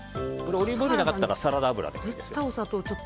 オリーブオイルがなかったらサラダ油でもいいです。